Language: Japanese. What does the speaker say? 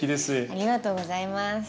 ありがとうございます。